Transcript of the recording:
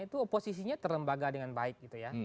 itu oposisinya terlembaga dengan baik